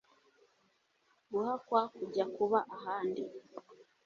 guhakwa kujya kuba ahandi